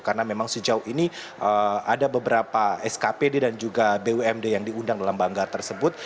karena memang sejauh ini ada beberapa skpd dan juga bumd yang diundang dalam banggar tersebut